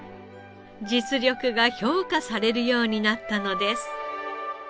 実力が評価されるようになったのです。